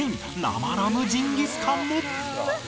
生ラムジンギスカンも